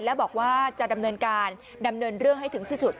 และบอกว่าจะดำเนินการดำเนินเรื่องให้ถึงที่สุด